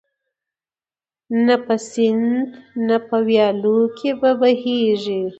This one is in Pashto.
نه په سیند نه په ویالو کي به بهیږي